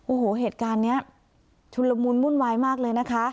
โอ้โหเหตุการณ์นี้ชุนละมุนวุ่นวายมากเลยนะคะ